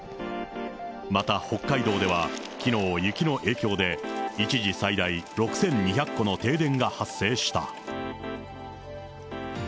また北海道ではきのう、雪の影響で一時最大６２００戸の停電が発生した。